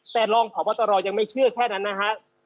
แต่รองพบตรยังไม่เชื่อแค่นั้นนะฮะ